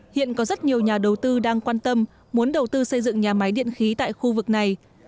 hiện có rất nhiều nhà đầu tư đang quan tâm muốn đầu tư xây dựng nhà máy điện khí tại khu vực này